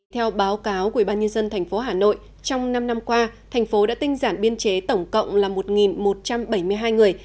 theo báo cáo của ubnd tp hà nội trong năm năm qua thành phố đã tinh giản biên chế tổng cộng là một một trăm bảy mươi hai người